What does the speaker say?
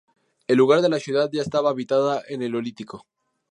El lugar de la ciudad ya estaba habitada en el Neolítico.